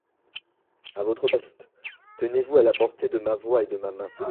À votre poste !… Tenez-vous à la portée de ma voix et de ma main.